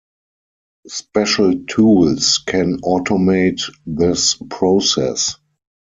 Special tools can automate this process.